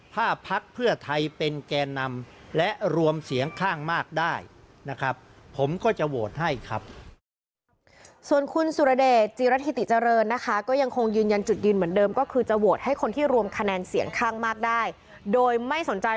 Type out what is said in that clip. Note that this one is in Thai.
พ่อพักธิ์ได้เป็นแก่นำและรวมเสียงข้างมากได้นะครับผมก็จะโวทธ์ให้ครับ